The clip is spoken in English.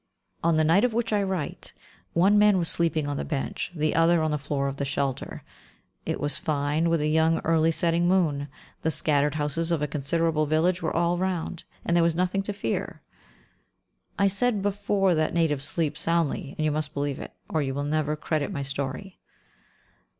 On the night of which I write, one man was sleeping on the bench, the other on the floor of the shelter. It was fine, with a young, early setting moon; the scattered houses of a considerable village were all round, and there was nothing to fear. I said before that natives sleep soundly, and you must believe it, or you will never credit my story.